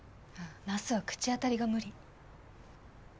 なすは口当たりが無理。